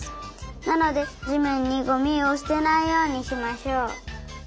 なのでじめんにゴミをすてないようにしましょう。